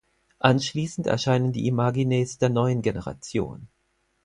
Anschließend erscheinen die Imagines der neuen Generation.